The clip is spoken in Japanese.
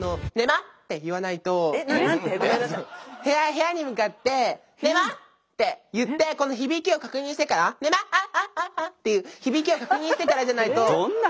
部屋に向かって「ねまっ！」って言ってこの響きを確認してから「ねまっああああ」っていう響きを確認してからじゃないと。